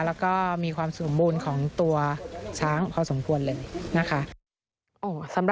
แล้วก็มีความสมบูรณ์ของตัวช้างพอสมควรเลยนะคะ